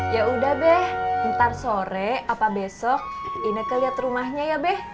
yaudah be ntar sore apa besok ineke liat rumahnya ya be